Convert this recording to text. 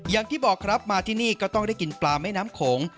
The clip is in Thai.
อย่างที่บอกครับมาที่นี่ก็ต้องได้กินปลาแม่น้ำโขง